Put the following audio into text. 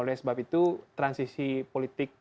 oleh sebab itu transisi politik